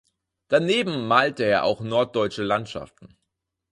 Daneben malte er auch norddeutsche Landschaften.